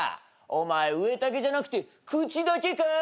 お前ウエタケじゃなくて口だけか？